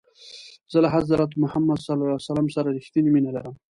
زه له حضرت محمد ص سره رښتنی مینه لرم.